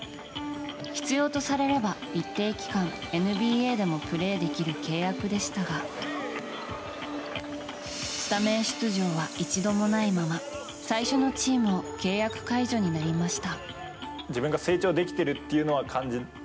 必要とされれば、一定期間ＮＢＡでもプレーできる契約でしたがスタメン出場は一度もないまま最初のチームを契約解除になりました。